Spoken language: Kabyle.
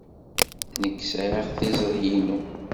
Nekk sɛiɣ tiẓri-inu.